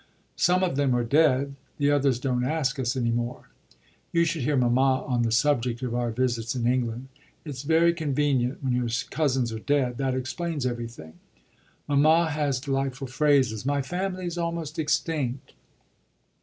Some of them are dead; the others don't ask us any more. You should hear mamma on the subject of our visits in England. It's very convenient when your cousins are dead that explains everything. Mamma has delightful phrases: 'My family is almost extinct.'